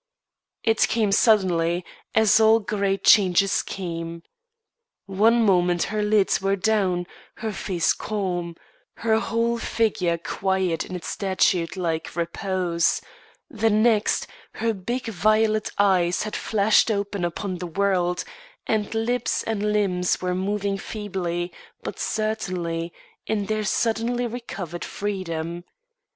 It came suddenly, as all great changes come. One moment her lids were down, her face calm, her whole figure quiet in its statue like repose; the next, her big violet eyes had flashed open upon the world, and lips and limbs were moving feebly, but certainly, in their suddenly recovered freedom.